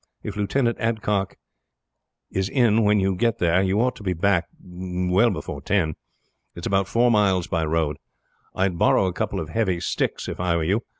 If Lieutenant Adcock is in when you get there you ought to be back, well, before ten. It's about four miles by road. I would borrow a couple of heavy sticks if I were you.